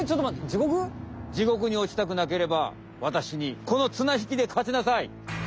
地獄に落ちたくなければわたしにこのつなひきでかちなさい！